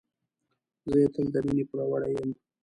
زه یې تل د مینې پوروړی یم.